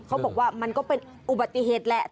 เขาบอกว่ามันก็เป็นอุบัติเหตุแหละ